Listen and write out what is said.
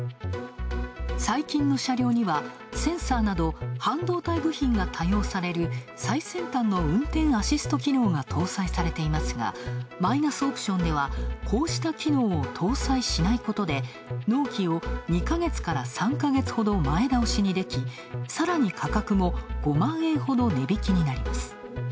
最近の車両にはセンサーなど、半導体部品が多用される最先端の運転アシスト機能が搭載されていますが、マイナスオプションでは、こうした機能を搭載しないことで、納期を２ヶ月から３か月ほど前倒しにでき、さらに価格も５万円ほど値引きになります。